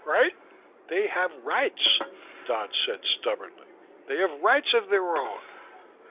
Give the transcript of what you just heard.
Right?" "They have rights," Dodd said stubbornly. "They have rights of their own."